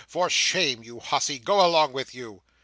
"For shame, you hussy! Go along with you!"